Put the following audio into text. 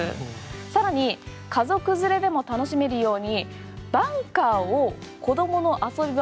さらに家族連れでも楽しめるようにバンカーを子どもの遊びは